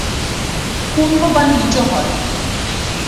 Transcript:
পণ্য বাণিজ্য হয়